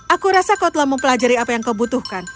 aku rasa kau telah mempelajari apa yang kau butuhkan